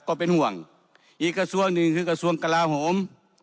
ก็เป็นห่วงอีกกระทรวงหนึ่งคือกระทรวงกลาโหม